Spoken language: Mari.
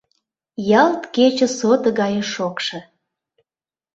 ялт кече сото гае шокшо.